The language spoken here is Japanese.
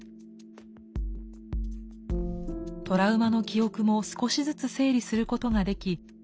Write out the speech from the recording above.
トラウマの記憶も少しずつ整理することができ